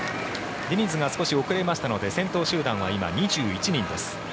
ディニズが少し遅れましたので先頭集団は今、２１人です。